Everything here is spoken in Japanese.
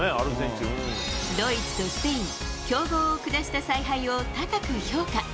ドイツとスペイン、強豪を下した采配を高く評価。